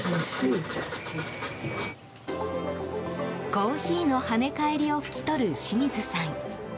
コーヒーの跳ね返りを拭き取る清水さん。